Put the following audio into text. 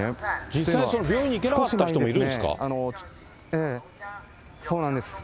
実際、病院に行けなかった人もいるんですか。